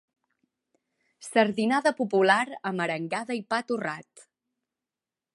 Sardinada popular amb arengada i pa torrat.